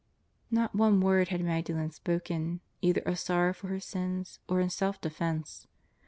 Not one word had ]Magdalen spoken, either of sor row for her sins or in self defence.